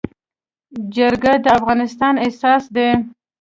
جرګي د افغانستان اساس دی.